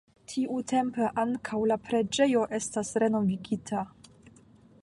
Tiutempe ankaŭ la preĝejo estis renovigita.